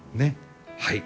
はい。